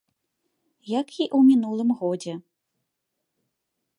Як і ў мінулым годзе.